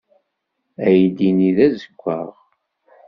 Aydi-nni d azewwaɣ.